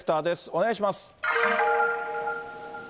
お願いします。